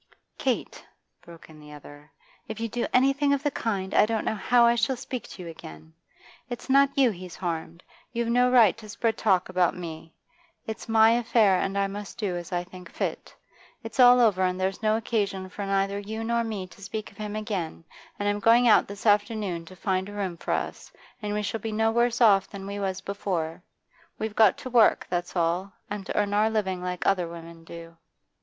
'Kate,' broke in the other, 'if you do anything of the kind, I don't know how I shall speak to you again. Its not you he's harmed; you've no right to spread talk about me It's my affair, and I must do as I think fit. It's all over and there's no occasion for neither you nor me to speak of him again I'm going out this afternoon to find a room for us, and we shall be no worse off than we was before. We've got to work, that's all, and to earn our living like other women do.